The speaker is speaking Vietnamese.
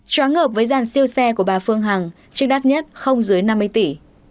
ba chóa ngợp với dàn siêu xe của bà phương hằng chiếc đắt nhất không dưới năm mươi tỷ